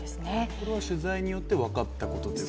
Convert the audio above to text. これは取材によってわかったことですか。